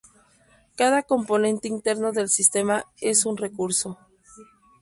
Cada componente interno del sistema es un recurso.